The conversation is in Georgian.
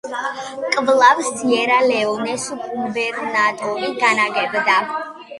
კვლავ სიერა-ლეონეს გუბერნატორი განაგებდა.